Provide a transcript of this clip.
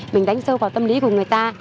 mình đánh sâu vào tâm lý của người ta